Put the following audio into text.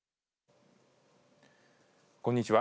こんにちは。